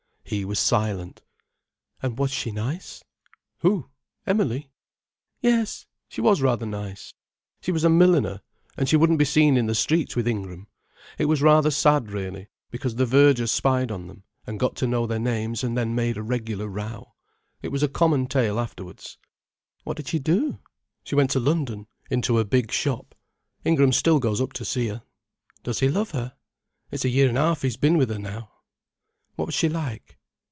He was silent. "And was she nice?" "Who? Emily? Yes, she was rather nice. She was a milliner, and she wouldn't be seen in the streets with Ingram. It was rather sad, really, because the verger spied on them, and got to know their names and then made a regular row. It was a common tale afterwards." "What did she do?" "She went to London, into a big shop. Ingram still goes up to see her." "Does he love her?" "It's a year and a half he's been with her now." "What was she like?"